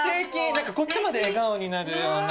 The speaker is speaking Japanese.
何かこっちまで笑顔になるような。